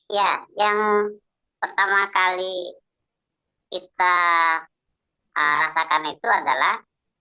ya yang pertama kali kita rasakan itu adalah